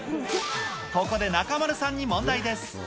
ここで中丸さんに問題です。